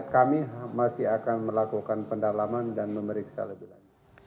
kami masih akan melakukan pendalaman dan memeriksa lebih lanjut